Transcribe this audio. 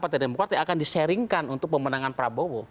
partai demokrat yang akan di sharingkan untuk pemenangan prabowo